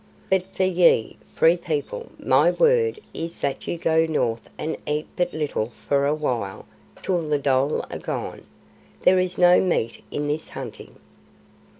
But for YE, Free People, my word is that ye go north and eat but little for a while till the dhole are gone. There is no meat in this hunting."